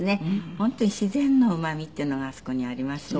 本当に自然のうまみっていうのがあそこにありますね。